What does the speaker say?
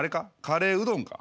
カレーうどんか？